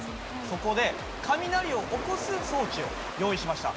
そこで雷を起こす装置を用意しました。